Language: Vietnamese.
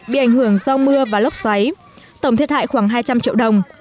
bị ảnh hưởng do mưa và lốc xoáy tổng thiệt hại khoảng hai trăm linh triệu đồng